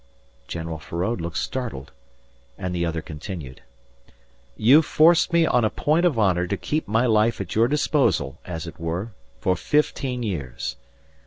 General Feraud looked startled. And the other continued: "You've forced me on a point of honour to keep my life at your disposal, as it were, for fifteen years.